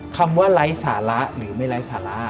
คำว่าไร้สาระหรือไม่ไร้สาระ